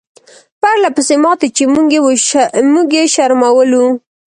پرله پسې ماتې چې موږ یې شرمولو.